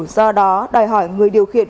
do đó đòi hỏi người điều khiển